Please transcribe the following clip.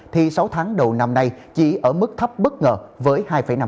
thì sáu tháng đầu năm nay chỉ ở mức thấp bất ngờ với hai năm